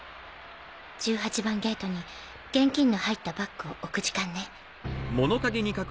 １８番ゲートに現金の入ったバッグを置く時間ね。